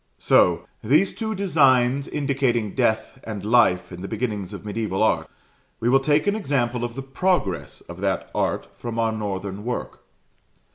So, these two designs indicating Death and Life in the beginnings of mediaeval art, we will take an example of the progress of that art from our northern work.